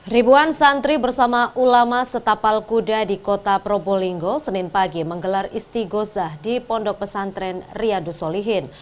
ribuan santri bersama ulama setapal kuda di kota probolinggo senin pagi menggelar isti gozah di pondok pesantren riyadu solihin